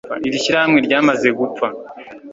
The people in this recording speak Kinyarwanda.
iri shyirahamwe ryamaze gupfa